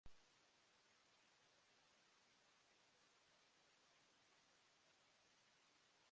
Mull Hill Stone Circle is a unique archaeological monument.